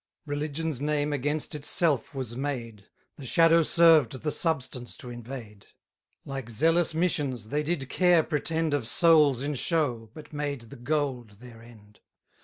190 Religion's name against itself was made; The shadow served the substance to invade: Like zealous missions, they did care pretend Of souls in show, but made the gold their end.